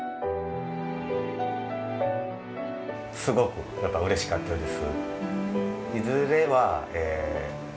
すごくやっぱりうれしかったです。